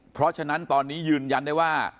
เพราะฉะนั้นตอนนี้ยืนยันได้ว่า